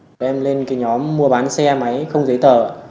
tụi em lên cái nhóm mua bán xe máy không giấy tờ